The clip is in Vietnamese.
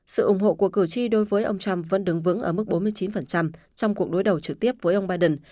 sự ủng hộ của cử tri đối với ông trump vẫn đứng vững ở mức bốn mươi chín trong cuộc đối đầu trực tiếp với ông biden